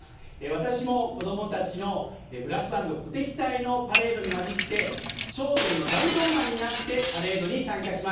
私も子供たちのブラスバンド鼓笛隊のパレードに交じって『笑点』のざぶとんマンになってパレードに参加します。